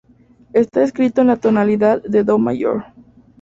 Está escrito en la tonalidad de Do mayor.